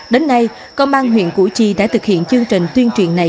đến nay công an huyện củ chi đã thực hiện chương trình tuyên truyền này